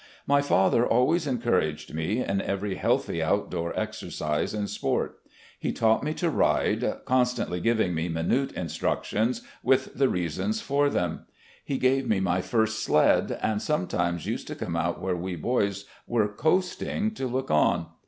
My father always encouraged me in evcr)^ healthy out door exercise and sport. He taught me to ride, constantly giving me minute instructions, with the reasons for them. He gave me my first sled, and sometimes used to come out where we boys were coasting to look on.